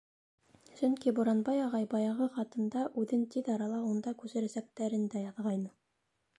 Сөнки Буранбай ағай баяғы хатында үҙен тиҙ арала унда күсерәсәктәрен дә яҙғайны.